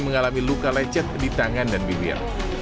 mengalami luka lecet di tangan dan bibir